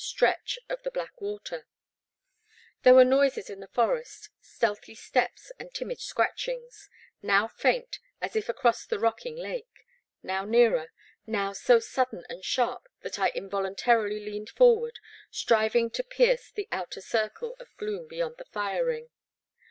stretch of the Black Water* There were noises in the forest, stealthy steps and timid scratchings — ^now faint, as if across the rocking lake, now nearer, now so sudden and sharp that I involun tarily leaned forward, striving to pierce the outer circle of gloom beyond the fire ring.